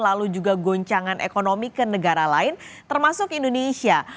lalu juga goncangan ekonomi ke negara lain termasuk indonesia